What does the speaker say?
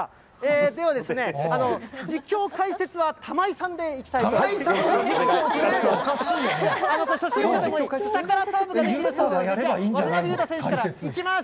では、実況解説は玉井さんでいきたいと思います。